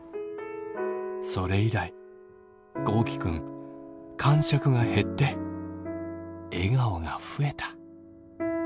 それ以来豪輝君かんしゃくが減って笑顔が増えた。